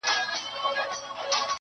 پرون چي مي خوبونه وه لیدلي ریشتیا کیږي -